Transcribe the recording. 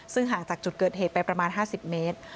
ซึ่งห่างจากจุดเกิดเหตุไปประมาณ๕๐เมตร